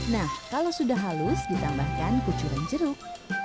nah kalau sudah halus ditambahkan kucuran jeruk